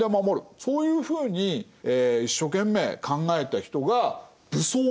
そういうふうに一生懸命考えた人が武装する。